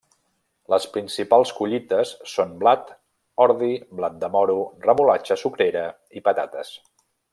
Les principals collites són blat, ordi, blat de moro, Remolatxa sucrera i patates.